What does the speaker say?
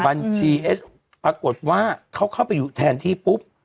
เอสปรากฏว่าเขาเข้าไปอยู่แทนที่ปุ๊บ